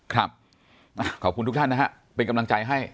ขอบคุณทุกท่านนะฮะเป็นกำลังใจให้